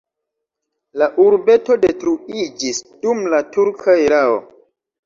La urbeto detruiĝis dum la turka erao.